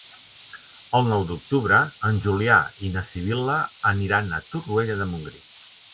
El nou d'octubre en Julià i na Sibil·la aniran a Torroella de Montgrí.